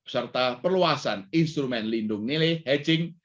serta perluasan instrumen lindung nilai hedging